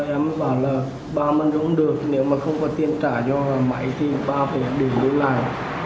em bảo là ba mới uống được nếu mà không có tiền trả cho mãi thì ba phải đừng uống lại